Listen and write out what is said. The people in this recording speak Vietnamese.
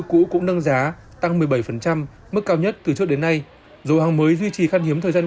cũ cũng nâng giá tăng một mươi bảy mức cao nhất từ trước đến nay dù hàng mới duy trì khát hiếm thời gian